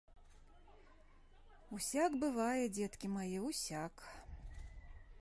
Усяк бывае, дзеткі мае, усяк!